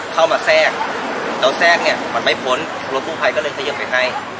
เข้ามาแทรกแล้วแทรกเนี้ยมันไม่พ้นรถผู้ไพรก็เลยขยับไปให้